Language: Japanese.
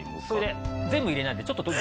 それで全部入れないで。